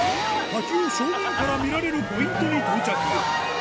滝を正面から見られるポイントに到着。